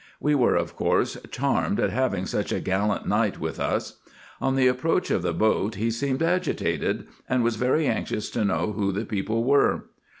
We were of course charmed at having such a gallant knight with us. On the approach of the boat he seemed agitated, and was very anxious to know who the people were.